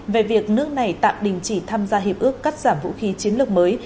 về việc nước này tạm đình chỉ tham gia hiệp ước cắt giảm vũ khí chiến lược mới